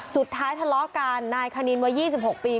สุดท้ายทะเลาะกันนายคณินวัย๒๖ปี